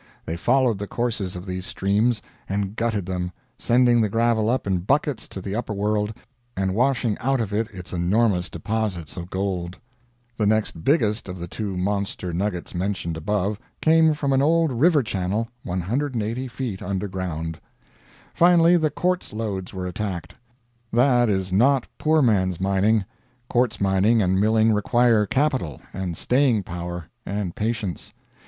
They followed the courses of these streams, and gutted them, sending the gravel up in buckets to the upper world, and washing out of it its enormous deposits of gold. The next biggest of the two monster nuggets mentioned above came from an old river channel 180 feet under ground. Finally the quartz lodes were attacked. That is not poor man's mining. Quartz mining and milling require capital, and staying power, and patience.